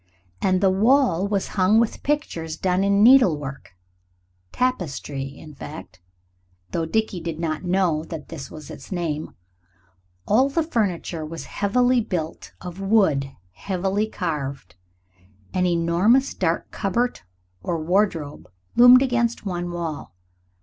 And the wall was hung with pictures done in needlework tapestry, in fact, though Dickie did not know that this was its name. All the furniture was heavily built of wood heavily carved. An enormous dark cupboard or wardrobe loomed against one wall.